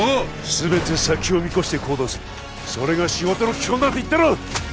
全て先を見越して行動するそれが仕事の基本だって言ったろ！